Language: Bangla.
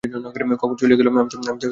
কখন চলিয়া গেল, আমি তো জানিতেও পারি নাই।